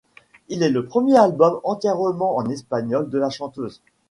Il est le premier album entièrement en espagnol de la chanteuse.